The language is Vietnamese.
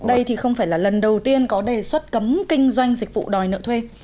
đây thì không phải là lần đầu tiên có đề xuất cấm kinh doanh dịch vụ đòi nợ thuê